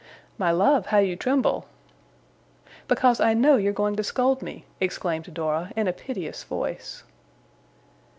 'My love, how you tremble!' 'Because I KNOW you're going to scold me,' exclaimed Dora, in a piteous voice.